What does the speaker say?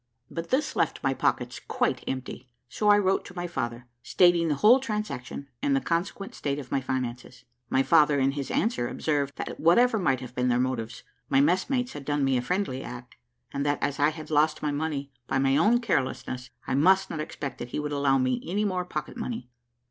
But this left my pockets quite empty, so I wrote to my father, stating the whole transaction, and the consequent state of my finances. My father, in his answer, observed that whatever might have been their motives, my messmates had done me a friendly act; and that as I had lost my money by my own carelessness, I must not expect that he would allow me any more pocket money.